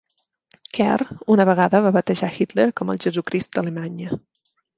Kerr una vegada va batejar Hitler com el "Jesucrist d'Alemanya".